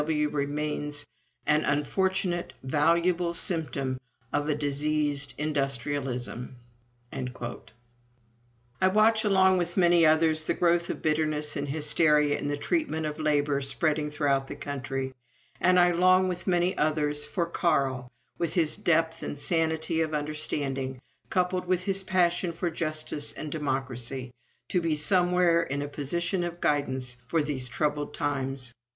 W.W. remains an unfortunate, valuable symptom of a diseased industrialism." I watch, along with many others, the growth of bitterness and hysteria in the treatment of labor spreading throughout our country, and I long, with many others, for Carl, with his depth and sanity of understanding, coupled with his passion for justice and democracy, to be somewhere in a position of guidance for these troublous times.